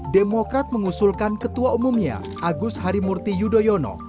demokrat mengusulkan ketua umumnya agus harimurti yudhoyono